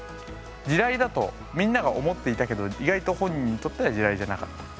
地雷だとみんなが思っていたけど意外と本人にとっては地雷じゃなかったみたいなこともある。